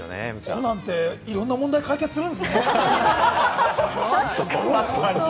コナンっていろんな問題、解決するんですね。